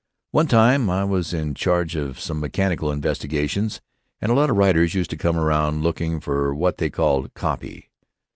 One time I was in charge of some mechanical investigations, and a lot of writers used to come around looking for what they called 'copy.'